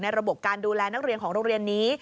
ระบบการดูแลนักเรียนของโรงเรียนนี้